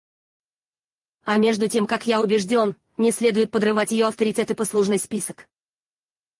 А между тем, как я убежден, не следует подрывать ее авторитет и послужной список.